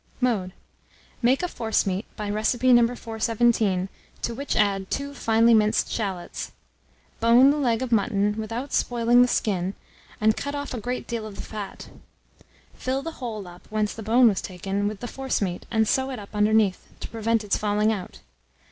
Mode. Make a forcemeat by recipe No. 417, to which add 2 finely minced shalots. Bone the leg of mutton, without spoiling the skin, and cut off a great deal of the fat. Fill the hole up whence the bone was taken, with the forcemeat, and sew it up underneath, to prevent its falling out.